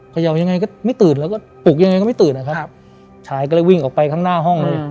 เขย่ายังไงก็ไม่ตื่นแล้วก็ปลุกยังไงก็ไม่ตื่นนะครับชายก็เลยวิ่งออกไปข้างหน้าห้องเลย